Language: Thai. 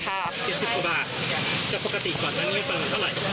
๗๐กว่าบาทจะปกติกว่านั้นเวลาเท่าไหร่